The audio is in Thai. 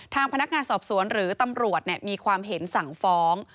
ทางพนักงานสอบสวนหรือตำรวจมีความเห็นสั่งฟ้อง